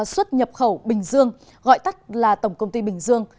xuất nhập khẩu bình dương gọi tắt là tổng công ty bình dương